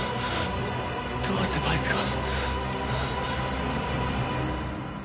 どうしてバイスが。